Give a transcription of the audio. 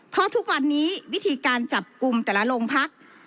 เพราะทุกวันนี้วิธีการจับกลุ่มแต่ละโรงพัก